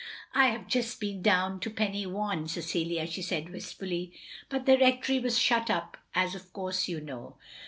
" I have just been down to Pen y waun, Cecilia, " she said, wistftilly. " But the Rectory was shut up, as of course you know.